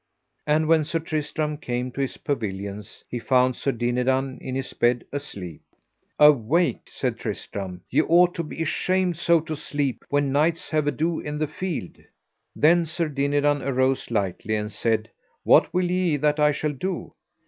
And when Sir Tristram came to his pavilions he found Sir Dinadan in his bed asleep. Awake, said Tristram, ye ought to be ashamed so to sleep when knights have ado in the field. Then Sir Dinadan arose lightly and said: What will ye that I shall do?